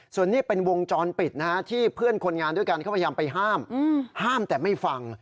ส่วนนี้เป็นวงจรปิดนะฮะที่เพื่อนคนงานด้วยกันเขาพยายามไปห้ามห้ามแต่ไม่ฟัง